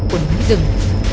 còn bắt dừng